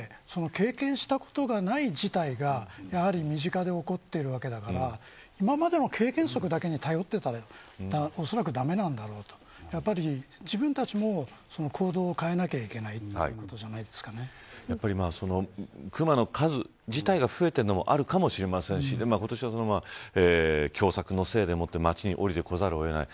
今まで経験したことがない事態が身近で起こっているわけだから今までの経験則だけに頼っていたらおそらく駄目なんだろうとやっぱり自分たちも行動を変えなきゃいけないということ熊の数自体が増えているのもあるかもしれませんし今年は凶作のせいで街におりてこざるを得ない。